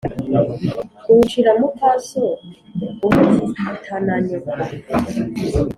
uwucira muka so uahitana nyoko